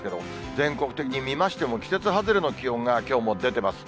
全国的に見ましても、季節外れの気温がきょうも出てます。